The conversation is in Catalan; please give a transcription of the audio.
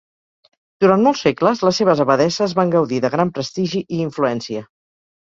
Durant molts segles, les seves abadesses van gaudir de gran prestigi i influència.